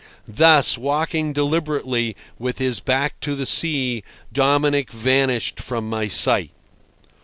Thus, walking deliberately, with his back to the sea, Dominic vanished from my sight.